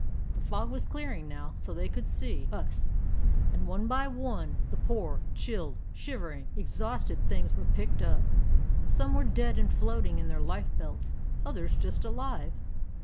The fog was clearing now, so they could see us ; and one by one the poor, chilled, shivering, exhausted things were picked up. Some were dead and floating in their life belts; others just alive.